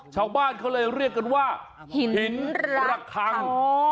ชาวบ้านเขาเลยเรียกกันว่าหินระคัง